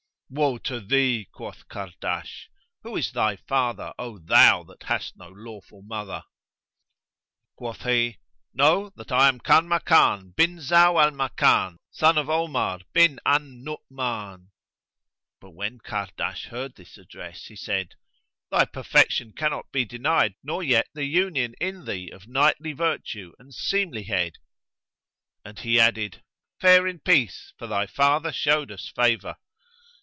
"Woe to thee!" quoth Kahrdash, "who is thy father, O thou that hast no lawful mother?" Quoth he, "Know that I am Kanmakan, bin Zau al Makan, son of Omar bin al Nu'uman." But when Kahrdash heard this address he said, "Thy perfection cannot be denied, nor yet the union in thee of knightly virtue and seemlihead," and he added, "Fare in peace, for thy father showed us favour."